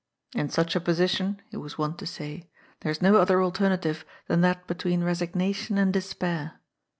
*' In such a position," he was wont to say, " there is no other alternative than that between resignation and despair."